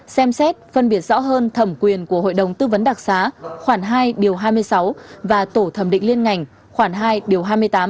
xem xét phân biệt rõ hơn thẩm quyền của hội đồng tư vấn đặc xá khoảng hai điều hai mươi sáu và tổ thẩm định liên ngành khoảng hai điều hai mươi tám